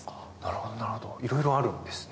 なるほどいろいろあるんですね。